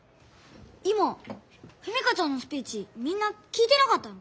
今史佳ちゃんのスピーチみんな聞いてなかったの？